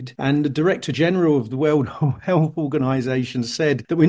dan direktur jeneral organisasi selatan dunia mengatakan